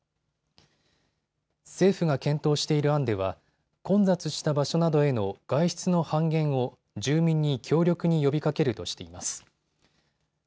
政府が検討している案では混雑した場所などへの外出の半減を住民に強力に呼びかけるとしています。